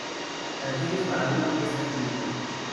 Canciones para una orquesta química.